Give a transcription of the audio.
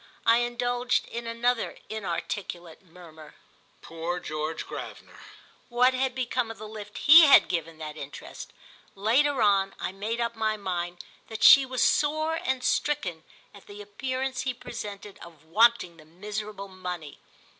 I indulged in another inarticulate murmur—"Poor George Gravener!" What had become of the lift he had given that interest? Later on I made up my mind that she was sore and stricken at the appearance he presented of wanting the miserable money.